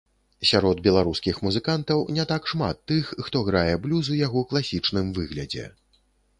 Сярод беларускіх музыкантаў не так шмат тых, хто грае блюз у яго класічным выглядзе.